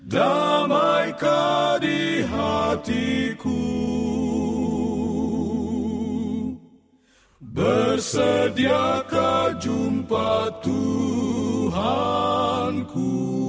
damaika di hatiku bersediaka jumpa tuhanku